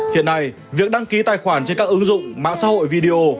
hiện nay việc đăng ký tài khoản trên các ứng dụng mạng xã hội video